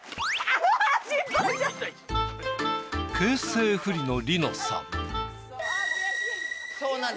形勢不利の梨乃さん。